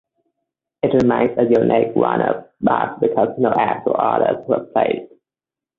It remains a unique one-off bus because no actual orders were placed.